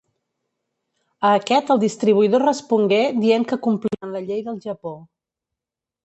A aquest el distribuïdor respongué dient que complien la llei del Japó.